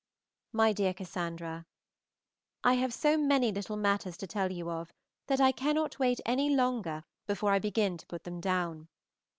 MY DEAR CASSANDRA, I have so many little matters to tell you of, that I cannot wait any longer before I begin to put them down.